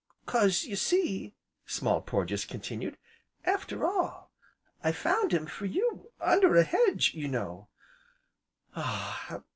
" 'cause you see," Small Porges, continued, "after all, I found him for you under a hedge, you know " "Ah!